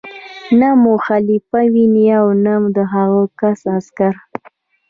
نه مو خلیفه ویني او نه د هغه کوم عسکر.